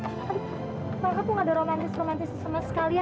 makanya aku gak ada romantis romantis sama sekali ya